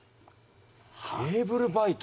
「ケーブルバイト」？